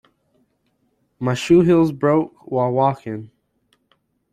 My shoe heels broke while walking.